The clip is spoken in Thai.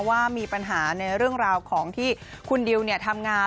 ว่ามีปัญหาในเรื่องราวของที่คุณดิวทำงาน